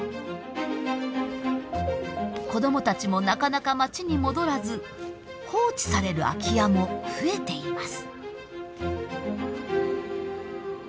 子どもたちもなかなか町に戻らず放置される空き家も増えています。